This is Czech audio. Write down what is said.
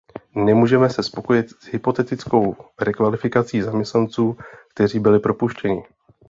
Nemůžeme se spokojit s hypotetickou rekvalifikací zaměstnanců, kteří byli propuštěni.